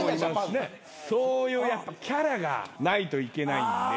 そういうやっぱキャラがないといけないんで。